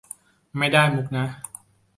ไม่ได้มุขนะ